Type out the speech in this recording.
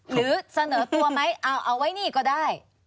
หรือเสนอตัวไหมเอาไว้นี่ก็ได้